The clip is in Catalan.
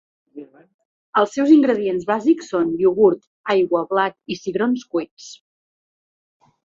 Els seus ingredients bàsics són iogurt, aigua, blat i cigrons cuits.